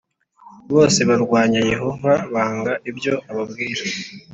bose barwanya Yehova banga ibyo ababwira